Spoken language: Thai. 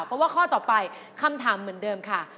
เพราะว่าข้อต่อไปคำถามเหมือนเดิมค่ะ